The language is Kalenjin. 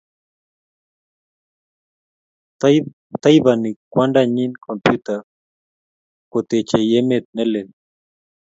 Taipani kwandanyi kompyuta kotechei emet ne lel